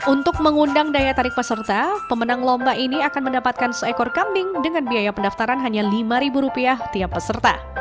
untuk mengundang daya tarik peserta pemenang lomba ini akan mendapatkan seekor kambing dengan biaya pendaftaran hanya lima rupiah tiap peserta